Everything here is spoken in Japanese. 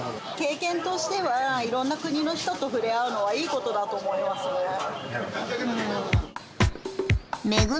経験としてはいろんな国の人と触れ合うのはいいことだと思いますね。